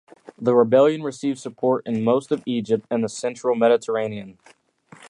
The rebellion received support in most of Egypt and the central Mediterranean.